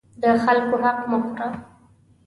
د خلکو حق مه خوره.